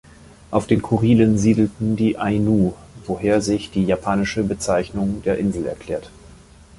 Auf den Kurilen siedelten die Ainu, woher sich die japanische Bezeichnung der Insel erklärt.